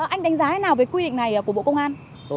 anh đánh giá như thế nào về quy định này của bộ công an